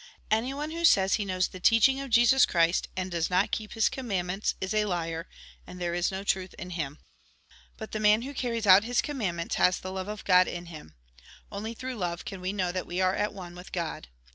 Anyone who says he knows the teaching of Jesus Christ, and does not keep his connnandnients, is a liar, and there is no truth in him. But the man who carries out his commandments has the love of God in him. Only through love can we know that we are at one with God.